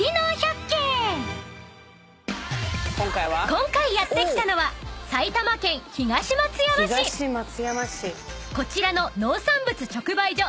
［今回やって来たのは］［こちらの農産物直売所